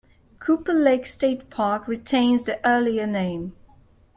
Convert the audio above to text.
Cooper Lake State Park retains the earlier name.